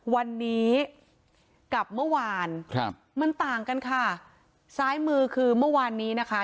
วันนี้กับเมื่อวานครับมันต่างกันค่ะซ้ายมือคือเมื่อวานนี้นะคะ